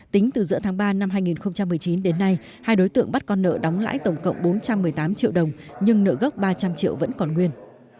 tính từ giữa tháng ba năm hai nghìn một mươi chín đến nay hai đối tượng bắt con nợ đóng lãi tổng cộng bốn trăm một mươi tám triệu đồng nhưng nợ gốc ba trăm linh triệu vẫn còn nguyên